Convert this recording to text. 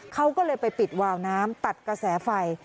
เขาก็เลยไปปิดวาวน้ำตัดกระแสไฟ